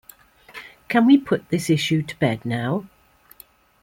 Can we put this issue to bed now?